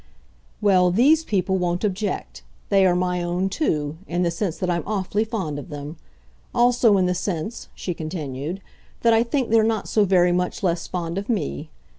"Well, these people won't object. They are my own too in the sense that I'm awfully fond of them. Also in the sense," she continued, "that I think they're not so very much less fond of me.